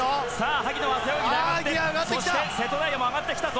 萩野は背泳ぎで上がって瀬戸大也も上がってきたぞ。